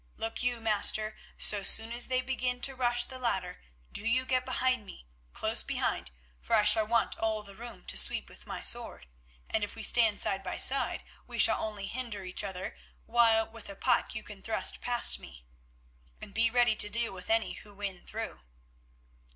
Look you, master. So soon as they begin to rush the ladder, do you get behind me, close behind, for I shall want all the room to sweep with my sword, and if we stand side by side we shall only hinder each other, while with a pike you can thrust past me, and be ready to deal with any who win through."